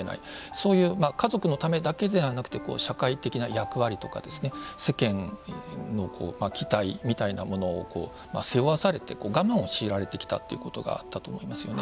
そういう家族のためだけではなくて、社会的な役割とか世間の期待みたいなものを背負わされて、我慢を強いられてきたということがあったと思いますよね。